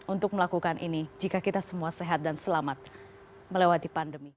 untuk melakukan ini jika kita semua sehat dan selamat melewati pandemi